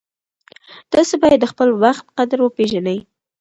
تاسې باید د خپل وخت قدر وپېژنئ.